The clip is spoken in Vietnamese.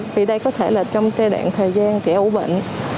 vì đây có thể là trong giai đoạn thời gian trẻ ủ bệnh